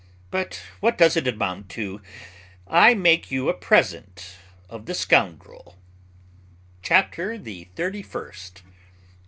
But what does it amount to? I make you a present of the scoundrel!" CHAPTER THE THIRTY FIRST.